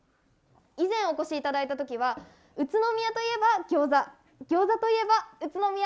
以前お越しいただいたときは宇都宮といえば餃子餃子といえば宇都宮。